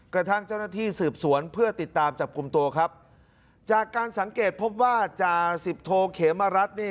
กระทั่งเจ้าหน้าที่สืบสวนเพื่อติดตามจับกลุ่มตัวครับจากการสังเกตพบว่าจ่าสิบโทเขมรัฐนี่